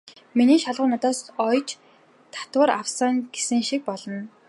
Миний шалгуур надаас оёж татвар авсан" гэсэн шиг болно.